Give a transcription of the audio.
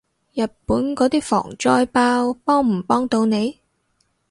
日本嗰啲防災包幫唔幫到你？